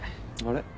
あれ？